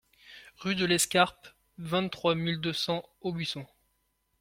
Rue de l'Escarpe, vingt-trois mille deux cents Aubusson